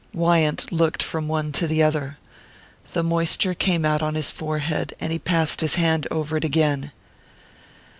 Wyant looked from one to the other. The moisture came out on his forehead, and he passed his hand over it again.